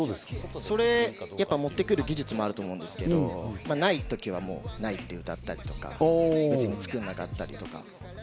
それを持ってくる技術もあると思うんですけど、ない時はないって歌ったりとか、別に作らなかったりとか。